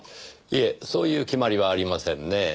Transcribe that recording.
いえそういう決まりはありませんねぇ。